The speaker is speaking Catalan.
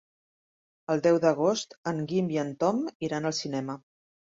El deu d'agost en Guim i en Tom iran al cinema.